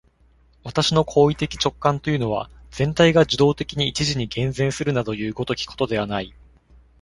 私の行為的直観というのは、全体が受働的に一時に現前するなどいう如きことではない。